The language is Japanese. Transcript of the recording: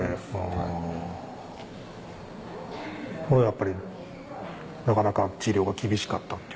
それはやっぱりなかなか治療が厳しかった？